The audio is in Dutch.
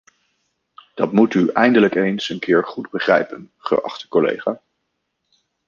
Dat moet u eindelijk eens een keer goed begrijpen, geachte collega!